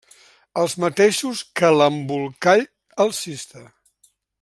Els mateixos que l'Embolcall alcista.